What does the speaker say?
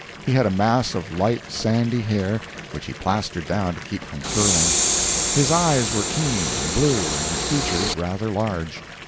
He had a mass of light sandy hair, which he plastered down to keep from curling. His eyes were keen and blue and his features rather large.